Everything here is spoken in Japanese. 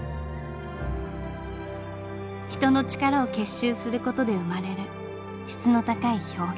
人の力を結集する事で生まれる質の高い表現。